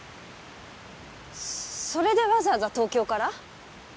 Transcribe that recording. それでわざわざ東京から？